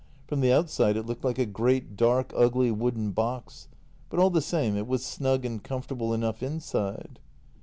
From the outside it looked like a great, dark, ugly wooden box; but all the same, it was snug and comfortable enough inside.